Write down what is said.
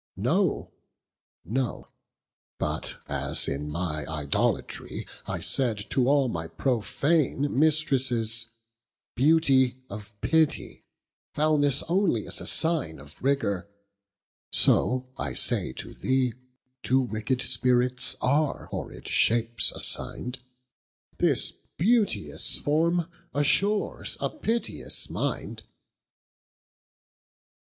No, no; but as in my idolatrie I said to all my profane mistresses, Beauty, of pitty, foulnesse onely is A sign of rigour: so I say to thee, To wicked spirits are horrid shapes assign'd, This beauteous forme assures a pitious minde.